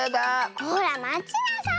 ほらまちなさい！